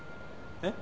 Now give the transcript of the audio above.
えっ？